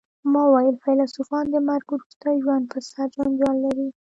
ما وویل فیلسوفان د مرګ وروسته ژوند په سر جنجال لري